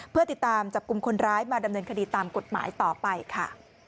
เพื่อติดตามจับกลุ่มคนร้ายมาดำเนินคดีตามกฎหมายต่อไปค่ะ